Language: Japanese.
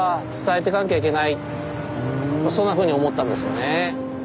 そんなふうに思ったんですよね。